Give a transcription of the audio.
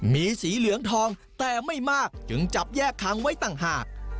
มีสีเหลืองทองแต่ไม่มากจึงจับแยกค้างไว้ต่างหาก